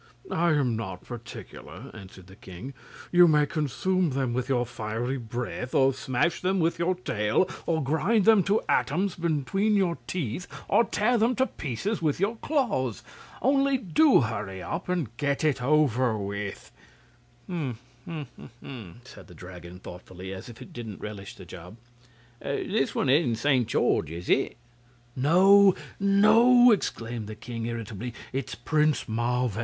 "I am not particular," answered the king. "You may consume them with your fiery breath, or smash them with your tail, or grind them to atoms between your teeth, or tear them to pieces with your claws. Only, do hurry up and get it over with!" "Hm m m!" said the Dragon, thoughtfully, as if it didn't relish the job; "this one isn't Saint George, is it?" "No, no!" exclaimed the king, irritably; "it's Prince Marvel.